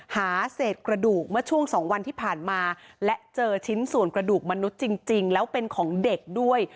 หาเศษกระดูกเมื่อช่วง๒วันที่ผ่านมาและเจอชิ้นส่วนกระดูกมนุษย์จริงแล้วเป็นของเด็กด้วย